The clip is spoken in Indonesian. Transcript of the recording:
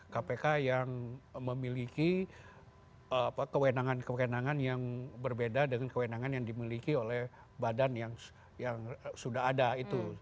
kpk yang memiliki kewenangan kewenangan yang berbeda dengan kewenangan yang dimiliki oleh badan yang sudah ada itu